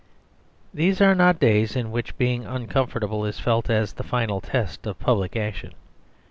These are not days in which being uncomfort able is felt as the final test of public action.